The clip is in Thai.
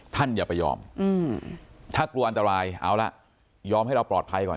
อย่าไปยอมถ้ากลัวอันตรายเอาละยอมให้เราปลอดภัยก่อน